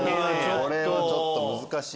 これはちょっと難しい。